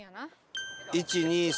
１２３４